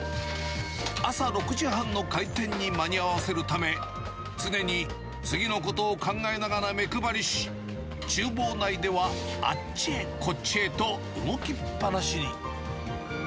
朝６時半の開店に間に合わせるため、常に次のことを考えながら目配りし、ちゅう房内ではあっちへこっちへと動きっぱなしに。